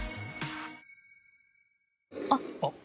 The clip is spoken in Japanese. あっ。